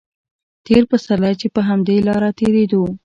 تېر پسرلی چې په همدې لاره تېرېدو.